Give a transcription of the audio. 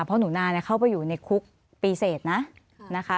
เพราะหนูนาเข้าไปอยู่ในคุกปีเสร็จนะนะคะ